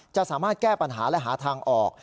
จะสามารถแก้ปัญหาและหาทางออก